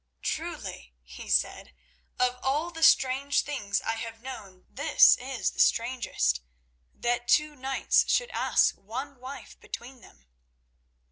"Truly," he said, "of all the strange things I have known, this is the strangest—that two knights should ask one wife between them."